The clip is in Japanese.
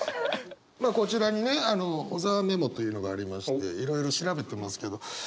こちらにね小沢メモというのがありましていろいろ調べてますけど。